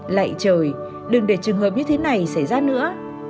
lại trời đừng để trường hợp như thế này xảy ra nữa